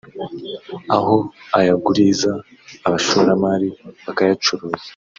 aho ayaguriza abashoramari bakayacuruza